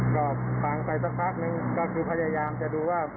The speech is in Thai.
ก็ฟังไปสักพักนึงก็คือพยายามจะดูว่า